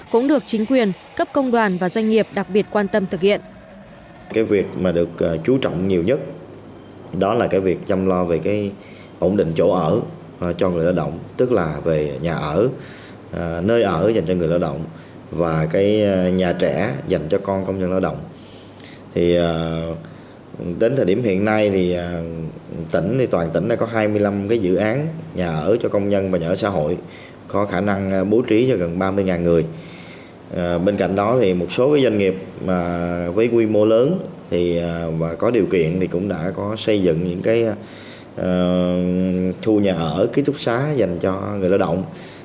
cũng được chính quyền cấp công đoàn và doanh nghiệp đặc biệt quan tâm thực hiện